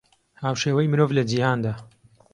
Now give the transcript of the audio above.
هاوشێوەی مرۆڤ لە جیهاندا